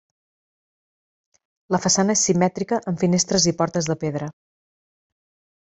La façana és simètrica amb finestres i portes de pedra.